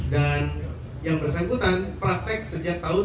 dan yang bersangkutan praktek sejak tahun